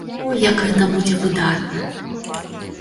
О, як гэта будзе выдатна!